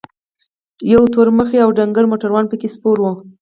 یو تور مخی او ډنګر موټروان پکې سپور و.